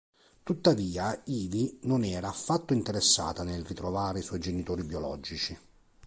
Tuttavia, Ivy non era affatto interessata nel ritrovare i suoi genitori biologici.